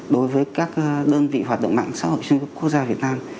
đối với các đơn vị hoạt động mạng xã hội trên quốc gia việt nam